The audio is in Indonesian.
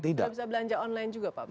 tidak bisa belanja online juga pak